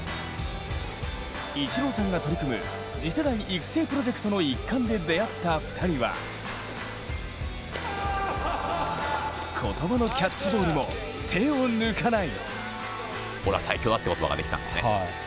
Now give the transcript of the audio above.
イチローさんが取り組む次世代育成プロジェクトの一環で出会った２人は言葉のキャッチボールも手を抜かない。